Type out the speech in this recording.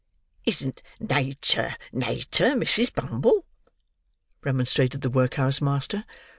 "Isn't natur, natur, Mrs. Bumble?" remonstrated the workhouse master.